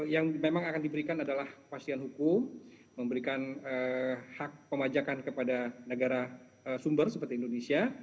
yang memang akan diberikan adalah pasien hukum memberikan hak pemajakan kepada negara sumber seperti indonesia